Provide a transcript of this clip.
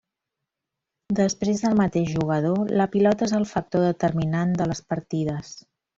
Després del mateix jugador, la pilota és el factor determinant de les partides.